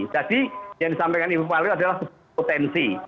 jadi yang disampaikan ibu kepala itu adalah sebuah potensi